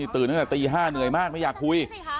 ตื่นตั้งแต่ตี๕เหนื่อยมากไม่อยากคุย